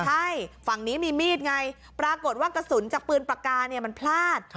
ใช่ฝั่งนี้มีมีดไงปรากฏว่ากระสุนจากปืนปากกาเนี่ยมันพลาด